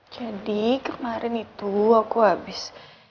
jadi kemarin itu aku abis